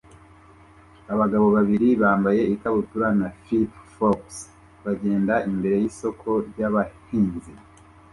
Abagabo babiri bambaye ikabutura na flip-flops bagenda imbere yisoko ryabahinzi